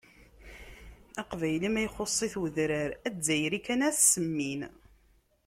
Aqbayli ma ixuṣṣ-it udrar, azzayri kan ara s-semmin.